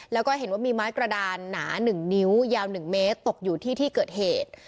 แล้วก็เห็นว่ามีไม้กระดานหนา๑นิ้วยาว๑เมตรตกอยู่ที่ที่เกิดเหตุ